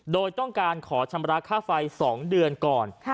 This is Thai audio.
โดยต้องการขอชำระค่าไฟ๒เดือนก่อน